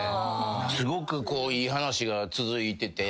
すごくこういい話が続いてて。